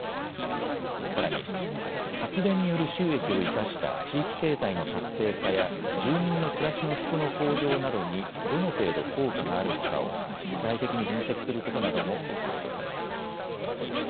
さらに、発電による収益を生かした地域経済の活性化や住民の暮らしの質の向上などにどの程度効果があるのかを具体的に分析することなども必要とされています。